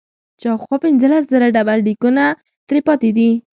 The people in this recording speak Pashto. شاوخوا پنځلس زره ډبرلیکونه ترې پاتې دي.